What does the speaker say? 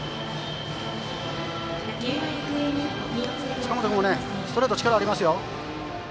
塚本君もストレート力がありますよ。